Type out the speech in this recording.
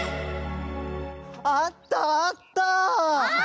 あったあった！